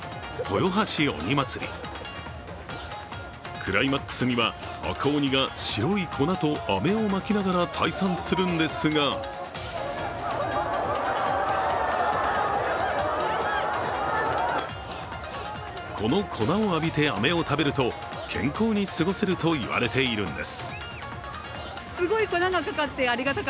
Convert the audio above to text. クライマックスには、赤鬼が白い粉とあめをまきながら退散するんですがこの粉を浴びてあめを食べると健康に過ごせると言われているんです。